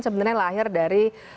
sebenarnya lahir dari